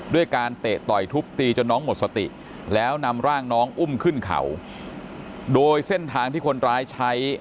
ด้วยการเตะต่อยทุบตีจนน้องหมดสติแล้วนำร่างน้องอุ้มขึ้นเขาโดยเส้นทางที่คนร้ายใช้